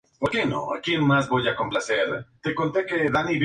En ese entonces, la radio transmitía dos veces al día.